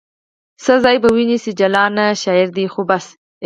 څه ځای به ونیسي جلانه ؟ شاعرې ده خو بس